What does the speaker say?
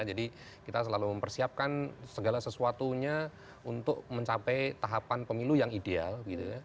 jadi kita selalu mempersiapkan segala sesuatunya untuk mencapai tahapan pemilu yang ideal gitu ya